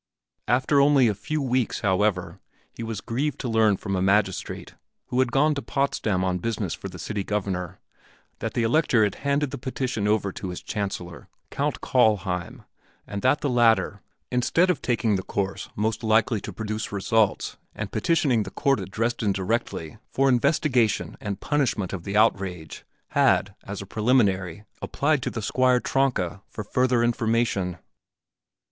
After only a few weeks, however, he was grieved to learn from a magistrate who had gone to Potsdam on business for the City Governor, that the Elector had handed the petition over to his Chancellor, Count Kallheim, and that the latter, instead of taking the course most likely to produce results and petitioning the Court at Dresden directly for investigation and punishment of the outrage, had, as a preliminary, applied to the Squire Tronka for further information.